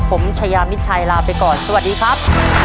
ผมชายามิดชัยลาไปก่อนสวัสดีครับ